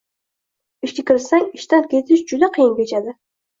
Ishga kirsang, ishdan ketish juda qiyin kechadi